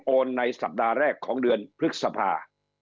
ในสัปดาห์แรกของเดือนพฤษภา